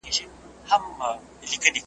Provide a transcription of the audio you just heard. څوک منصور نسته چي یې په دار کي .